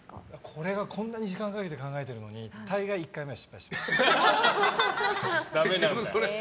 これがこんなに時間かけて考えてるのに大概、１回目は失敗します。